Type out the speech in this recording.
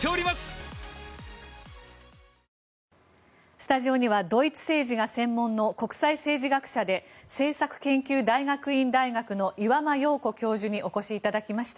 スタジオにはドイツ政治が専門の国際政治学者で政策研究大学院大学の岩間陽子教授にお越しいただきました。